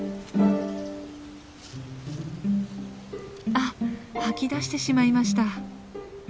あっ吐き出してしまいました。